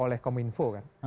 oleh kominfo kan